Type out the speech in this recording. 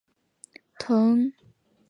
藤卷忠俊为日本的男性漫画家。